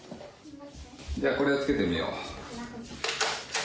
じゃあこれをつけてみよう。